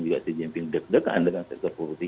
juga si jinping deg degan dengan sektor politik